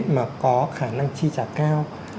mà có khả năng chi trả cao